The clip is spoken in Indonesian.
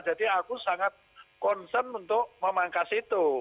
jadi aku sangat concern untuk memangkas itu